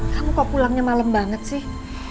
kamu kok pulangnya malam banget sih